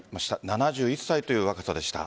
７１歳という若さでした。